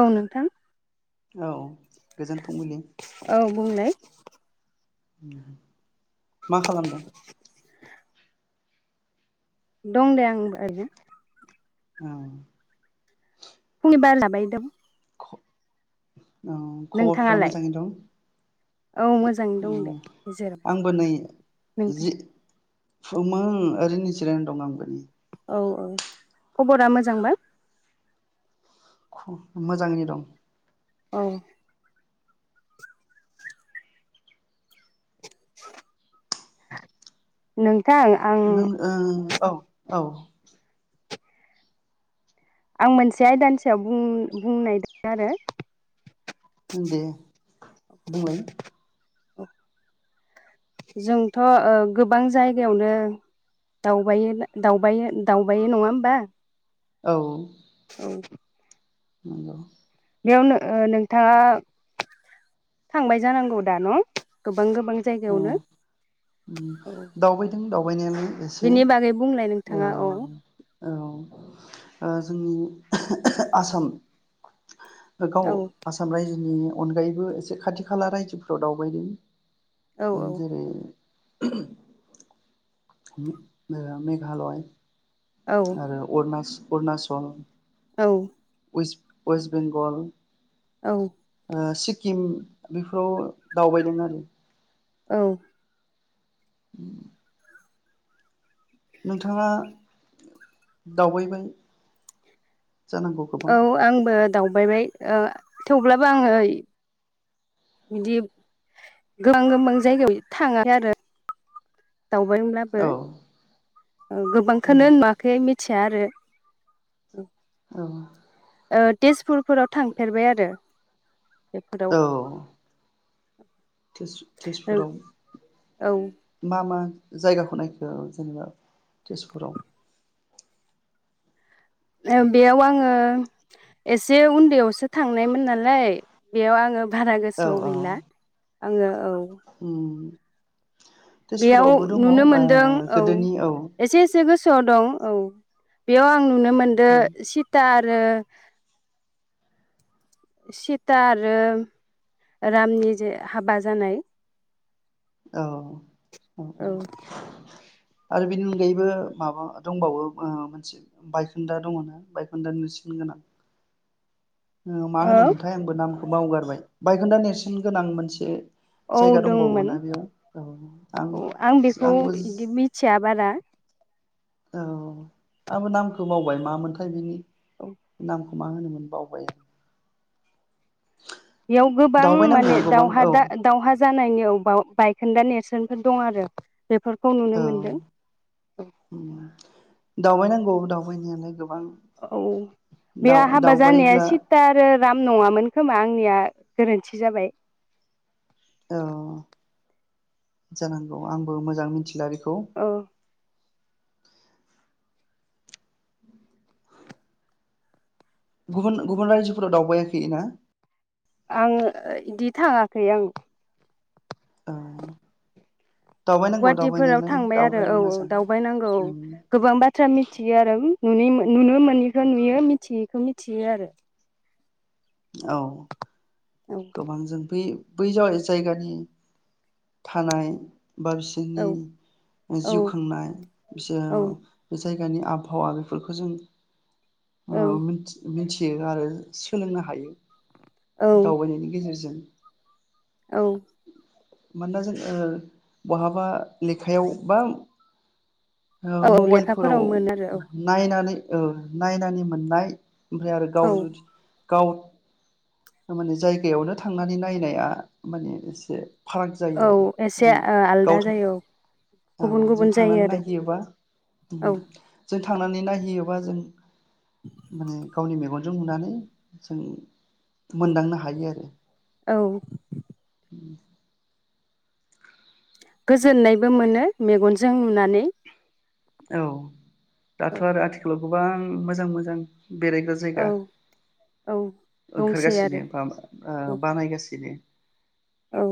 औ नोंथां औ गोजोन फुंबिलि औ बुंलाय [inaudible] मा खालामदों दंदे आं बो ओरैनो औ फुंनि बारलाबायदों खबरफ्रा नोंथाङालाय मोजाङैनो दं औ मोजाङैनो दं उम दे आंबो गेजेराव नोंथां फुमो ओरैनो जिरायना दं आंबो औ औ खबरा मोजांबा मोजाङैनो दं औ नों नों ओं औ -औ आं मोनसे आयदानि सायाव बुं बुंनायदो आरो दे बुंलाय जोंथ' गोबां जायगायावनो दावबायो दावबायो दावबायो नङा होमबा औ [inaudible] [unintelligible] बेयावनो नोंथाङा थांबाय जानांगौ दा न' गोबां औ जायगायावनो औ दावबायदों दावबायनायालाय एसे बिनि बागै बुंलाय औ नोंथाङा औ जोंनि आसाम गाव औ आसाम रायजो नि अनगायैबो एसे खाथि खाला रायजोफोराव दावबायदों औ जेरै [unintelligible] मेच मेघा मेघालय आरो अरुनाछल अरुनाचल औ वेस्ट बेंगल औ सिक्किम बेफोराव दावबायदों आरो औ उ नोंथाङा दावबायबाय जानांगौ गोबां औ आंबो दावबायबाय थेवब्लाबो आङो बिदि गोबां- गोबां जायगायाव थाङाखै आरो दावबायब्लाबो औ औ गोबांखौनो नुवाखै मिथिया आरो औ ओ तेजपुरफोराव थांफेरबाय आरो बेफोराव औ तेजपुराव औ मा- मा जायगाखौ नायखो जेनेबा तेजपुराव बेयाव आङो एसे उन्दैयावसो थांनायमोन नालाय बेयाव आङो बारा गोसोआव गैला आङो औ उम। बेयाव नुनो बा मोनदों औ एसे एसे गोसो आव दं औ बेयाव आं नुनो मोनदों सिटार आरो सिता आरो रामनि जे हाबा जानाय औ। अ औ। आरो बिनि अनगायैबो माबा दंबावो मोनसे बायखोन्दा दङ' ना बायखोन्दानि सिन गोनां। मा होनोमोनथाय आंबो नाम बावगारबाय बायखोन्दा नेरसोन गोनां मोनसे औ जायगा दंमोन। दंबावोना बेयाव औ आं औ बेखौ आंबो बिदि मिथिया बारा औ आंबो नामखौ मावबाय मामोनथाय बिनि औ नाम खो मा होनोमोन बावबाय आं बेयाव गोबां दावबायनांगौ माने गोबां दावहा औ दा दावहा जानायनि अबाव बाइक खोन्दा नेरसोनफोर दं आरो बेफोरखौ नुनो औ मोनदों औ। दावबायनांगौ दावबायनायालाय गोब औ बे हाबा जानाया दावबायोब्ला सिथा आरो राम नंङामोन खोमा आंनिया गोरोन्थि जाबाय। औ जानांगौ आंबो मोजां मिथिला बे ओ। गुबुन गुबुन रायजोफोराव दावबायाखै ना? आंङो इदि थांङाखै ओं। औ दावबायनांगौ गुवाहाटिफोराव दावबायनायालाय थांबाय आरो दावबायबा औ औ मोजां दावबायनांगौ औ उम गोबां बाथ्रा मिथियो आरो उम। नुनिमो नुनो मोनैखौ नुयो मिथियैखौ मिथियो आरो। औ। औ गोबांजों बेै बै जाबाय जायगानि थानाय बा औ बिसोरनि औ जिउ खांनाय औ बिसोर जायगानि आबहावा बेफोरखौ जों औ ओ मिथि मिनथि यो आरो सोलोंनो हायो। औ दावबायनायनि गेजेरजों औ मानोना जों ओ बहाबा लेखायाव बा ओ औ मबाइलफोराव लेखाफोराव मोनो आरो नायनानै औ नायनानै मोननाय ओमफ्राय आरो गाव औ जुदि गाव थारमाने जायगायावनो थांनानै नायनाया माने एसे फाराग जायो औ आरो एसे जों ओ गाव आलदा था जायो औ गुबुन औ जों गुबुन जायो थांनानै आरो नायहैयोबा उम औ जों थांनानै नायहैयोबा जों माने गावनि मेगन जों नुनानै जों मोनदांनो हायो आरो औ [unintelligible] गोजोननायबो मोनो मेगनजों नुनानै औ दाथ' औ आरो आथिखालाव गोबां मोजां मोजां बेरायग्रा औ जायगा औ दंसै आरो ओंखारगासिनो बा आ औ बानायगासिनो औ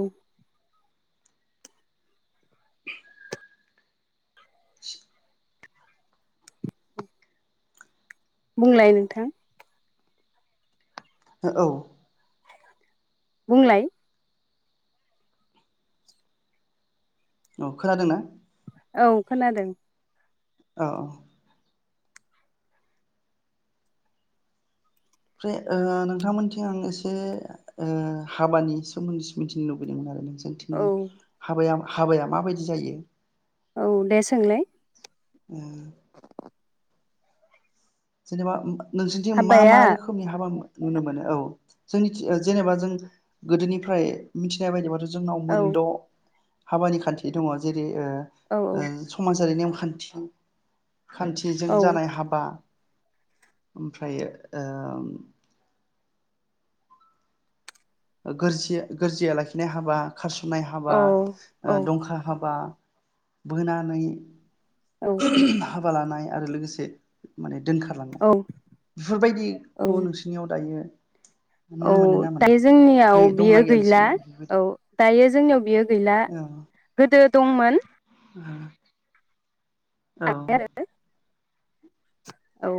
[inaudible] बुंलाय नोंथां औ बुंलाय औ खोनादोंना औ खोनादों अ‌ अ ओमफ्राय ओ नोंथांमोनथिं आं एसे हाबानि सोमोन्दैसो मिथिनो लुबैदोंमोन आरो औ सोनथिंनि हाबाया मा हाबाया माबायदि जायो औ दे सोंलाय उम [inaudible] जेनेबा नोंसोरथिं मा मा हाबाया रोखोमनि हाबामो नुनो मोनो औ जोंनिथि जेनेबा जों गोदोनिफ्राय मिथिनाय बायदिबाथ' जों जोंनाव औ मोनद' हाबानि खान्थि दङ जेरै रै ओ औ ओ समाजारि नेमखान्थि खान्थिजों औ खान्थिजों जानाय हाबा ओमफ्रायो ओ गोरजि गोरजिया लाखिनाय हाबा खारसन्नाय हाबा औ दंखा हाबा बोनानै औ [unintelligible] हाबा लानाय आरो लोगोसे माने दोनखारलांनाय औ बेफोरबायदिखौ औ नोंसिरनियाव दायो। औ नुनो मोनो ना मोना दायो गै जोंनियाव बियो दंना गैया गैला नोंसोरनियाव औ बेफोरबायदि दायो जोंनियाव। [unintelligible] गैला गोदो दंमोन। आरो आरो औ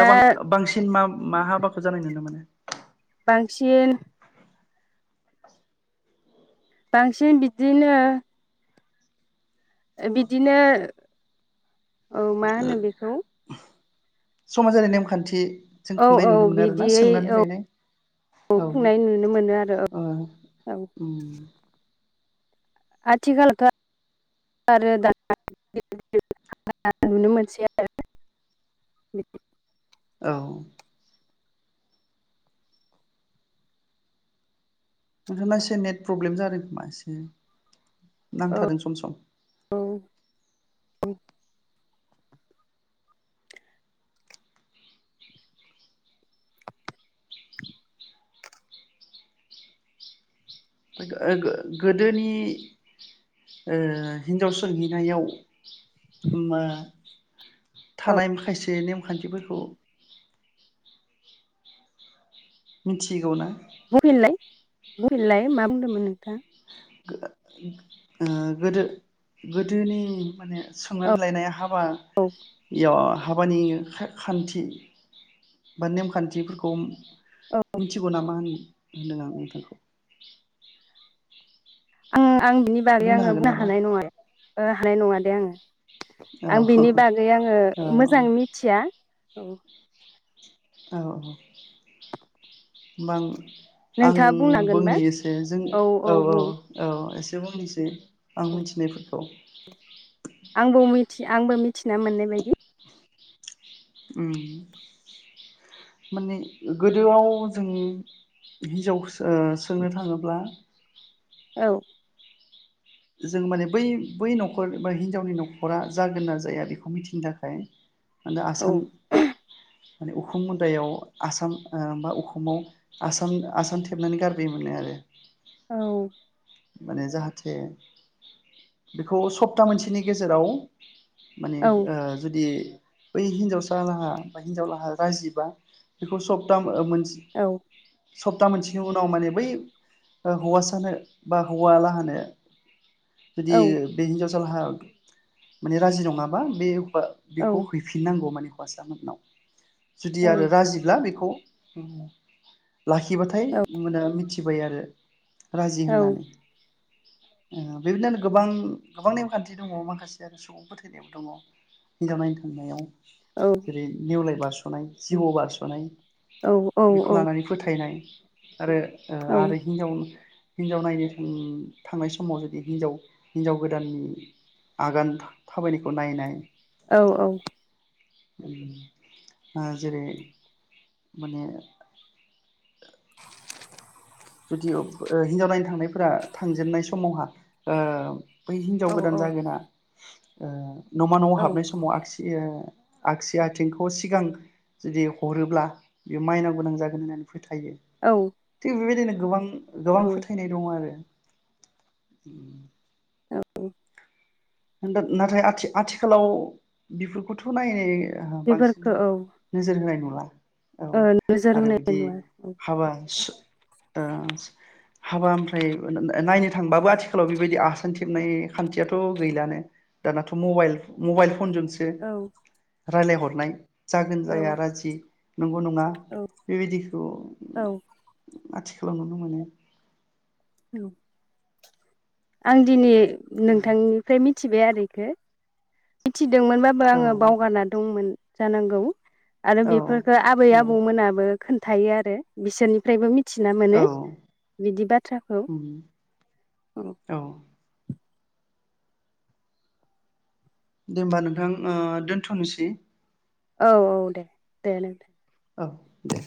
दा बां बांसिन मा मा हाबाखौ जानाय नुनो मोनो। [unintelligible] बांसिन बांसिन बिदिनो। बिदिनो औ मा होनो बेखौ समाजारि नेमखान्थि जों औ खुंनाय औ नुनो मोनो आरोना बिदियै सोंनानै औ लायनाय औ खुंनाय नुनो मोनो आरो औ ओ औ उम आथिखालखो आरो द नुनो मोनसै आरो बिदि औ नोंथांना एसे नेट प्रब्लेम जादों खोमा एसे औ नांथार सम सम औ [unintelligible] गोदोनि ओ हिनजाव सोंहैनायाव औ थानाय माखासे नेम खान्थिफोरखौ मिथिगौ ना बुंफिनलाय बुंफिनलाय मा बुंदोंमोन। नोंथां। गोदो गोदोनि माने संनानै औ लायनाय हाब औ याव हाबानि खान्थि बा नेमखान्थिफोरखौ। औ मिथिगौ नामा आं [unintelligible] आ आं बिनि बागै आङो हागोन बुंनो नामा हानाय नङा। ओ हानाय नङा दे आङो औ आं बिनि बागै आङो औ मोजां मिथिया। औ औ औ बां आं नोंथाङा बुंनो हागोनबा बुंनि एसे जों औ औ औ एसे बुंनिसे आं औ मिथिनायफोरखौ। आंबो मिथि आंबो मिथिना मोननाय बायदि ओम माने गोदोआव जों हिन्जाव ओ सोंनो थाङोब्ला औ। जों माने बै-बै न'खर बा हिनजावनि न'खरा जागोन ना जाया बेखौ मिथिनो थाखाय माने औ आसान माने उखु मुदायाव आसान ओ बा उखुमाव आसान-आसान थेबनानै गारबायोमोनलार आरो। औ। माने जाहाथे बेखौ सप्ता मोनसेनि गेजेराव माने औ ओ जुदि बै हिनजावसालाहा बा हिनजावलाहा राजिबा बेखौ सब्ता मोनसे औ। सप्ता मोनसेनि उनाव माने बै हौवासानो बा हौवालाहानो जुदि बे हिन्जावसा लाहा माने राजि नङाबा बे औ बेखौ हैफिननांगौ माने [unintelligible] [unintelligible] जुदि औ आरो राजिब्ला बेखौ [unintelligible] लाखिबाथाय ओमबानिया मिथि फाथिबाय आरो। राजि औ औ होननानै ओ बेबायदिनो गोबां-गोबां नेमखान्थि दङ'माखासे आरो सुबुं फोथैनायावबो दङ' हिनजाव नायनो थांनायाव जेरै नेवलाय बारसन स'नाय जिबौ बारस'नाय औ औ बेखौ लानानै फोथायनाय आरो ओ औ आरो हिनजाव हिनजाव नायनो उम थांनाय स समाव जुदि हिनजाव-हिनजाव गोदाननि आगान था थाबायनायखौ नायनाय औ-औ उम आ जेरै माने [inaudible] जुदि ओब ओ हिनजाव नायनो थांनायफोरा थांजेननाय समावहा ओ बै हिन्जाव गोदान जागोना ओ न'मा न'आव औ हाबनाय समाव आगसियो आगसि आथिंखौ सिगां जुदि हरोब्ला बेयो माइनाव गोनां जागोन होननानै फैथा थायो बेबायदिनो गोबां गोबां औ फोथायनाय दङ' आरो उम औ दाद नाथाय आथि आथिखालाव बेफोरखौथ' नाय [unintelligible] [unintelligible] बांसिन बेफोरखौ औ नोजोर होनाय नु [unintelligible] औ ओ नोजोर आरो होनाय बिदि नुवा औ हाबासो ओ हाबा ओमफ्राय ओ नो नो नायनो थांबाबो आथिखालाव बेबायदि आसान खेबनाय खान्थियाथ' गैलानो दानाथ' मबाइल मबाइल फन जों औ रायलायहतनाय जागोन जाया औ राजि नंगौ नङा बेबायदिखौ औ आथिखा खालाव नुनो मोनो औ आं दिनि नोंथांनिफ्राय मिथि थिबाय आरो बेखौ मि दोंमोनबाबो औ आङो बावगाराना दंमोन। जानांगौ आरो बेफोरफोरखोआबै औ आबौमोनाबो खोन्थायो आरो बिसोरनिफ्रायबो मि मिथिना मोनो औ बिदि बाथ्राखौ औ औ दे होमबा नोंथां ओ दोनथ'नोसै। औ औ दे दे नोंदे औ दे